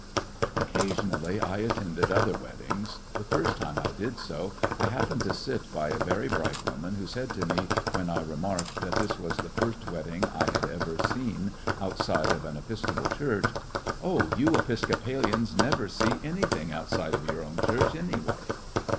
Occasionally I attended other weddings. The Hard on Epis first time I did so I happened to sit by a very bright woman, who said to me, when I remarked that this was the first wedding I 131 women ^coUedions of a had ever seen outside of an Episcopal Church, "Oh, you Episcopalians never see anything outside of your own Church, anyway